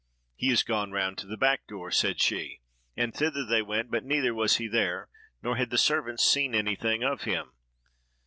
"He is gone round to the back door," said she; and thither they went; but neither was he there, nor had the servants seen anything of him.